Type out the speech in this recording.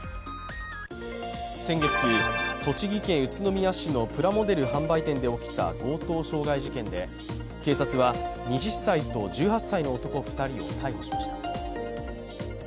先月、栃木県宇都宮市のプラモデル販売店で起きた強盗傷害事件で、警察は２０歳と１８歳の男２人を逮捕しました。